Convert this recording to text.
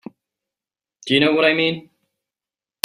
Do you know what I mean?